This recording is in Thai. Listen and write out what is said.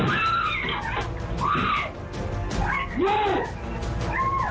เอาล่ะเอาล่ะ